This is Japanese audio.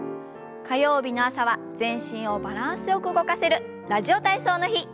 火曜日の朝は全身をバランスよく動かせる「ラジオ体操」の日。